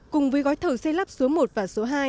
cùng với gói thầu xây lắp số một và số hai